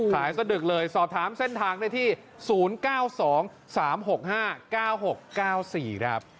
สะดึกเลยสอบถามเส้นทางได้ที่๐๙๒๓๖๕๙๖๙๔ครับ